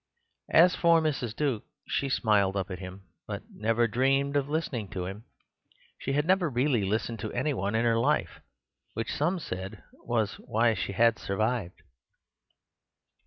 As for Mrs. Duke, she smiled up at him, but never dreamed of listening to him. She had never really listened to any one in her life; which, some said, was why she had survived.